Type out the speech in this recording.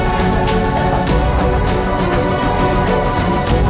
nggak akan iman